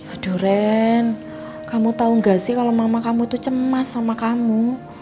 aduh ren kamu tau gak sih kalau mama kamu tuh cemas sama kamu